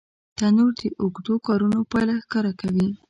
تنور د اوږدو کارونو پایله ښکاره کوي